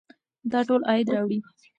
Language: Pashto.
دا ټول عاید راوړي.